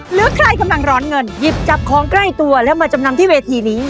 หรือใครกำลังร้อนเงินหยิบจับของใกล้ตัวแล้วมาจำนำที่เวทีนี้